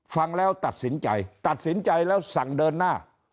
ฟังแล้วตัดสินใจตัดสินใจแล้วสั่งเดินหน้า